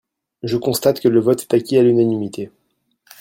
Je constate que le vote est acquis à l’unanimité.